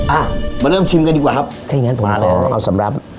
อะมาเริ่มชิมกันดีกว่าครับเช่นงั้นผมขอเอาสำหรับ